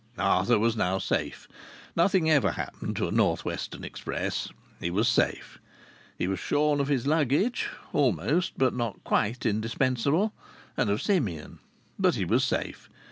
Arthur was now safe. Nothing ever happened to a North Western express. He was safe. He was shorn of his luggage (almost, but not quite, indispensable) and of Simeon; but he was safe.